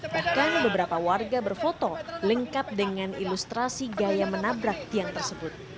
bahkan beberapa warga berfoto lengkap dengan ilustrasi gaya menabrak tiang tersebut